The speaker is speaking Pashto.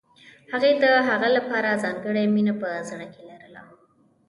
هغې د هغه لپاره ځانګړې مینه په زړه کې لرله